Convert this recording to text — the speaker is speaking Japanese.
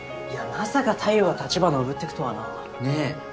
まさか太陽が橘おぶっていくとはな。ねぇ。